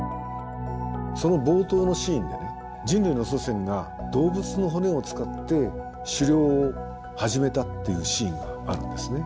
その冒頭のシーンで人類の祖先が動物の骨を使って狩猟を始めたっていうシーンがあるんですね。